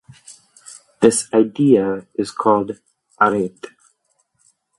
This idea is called arete.